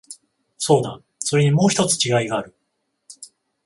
そうだ、それにもう一つ違いがある。